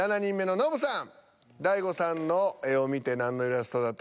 ノブさん